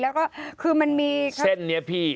แล้วก็คือมันมี